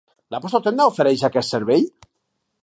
La vostra tenda ofereix aquest servei?